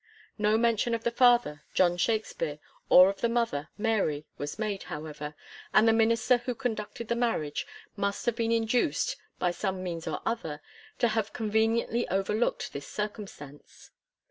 No mention of the father, John Shakspere, or of the mother, Mary, was made, however, and the minister who conducted the marriage must have been induced, by some means OP other, to have conveniently overlookt this circum stance.